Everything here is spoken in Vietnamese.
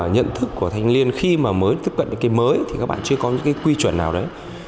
nhận thức của thanh niên khi mà mới tiếp cận những cái mới thì các bạn chưa có những cái quy chuẩn nào đấy